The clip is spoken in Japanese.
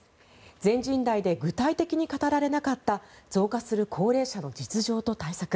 全人代で具体的に語られなかった増加する高齢者の実情と対策。